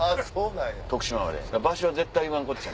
だから場所は絶対言わんこっちゃ。